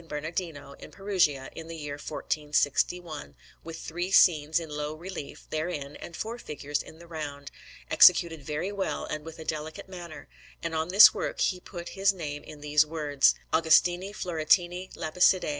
Bernardino in Perugia in the year 1461, with three scenes in low relief therein and four figures in the round, executed very well and with a delicate manner; and on this work he put his name in these words, AUGUSTINI FLORENTINI LAPICIDÆ.